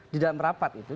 di dalam rapat itu